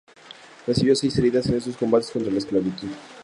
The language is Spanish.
Recibió seis heridas en estos combates contra la esclavitud.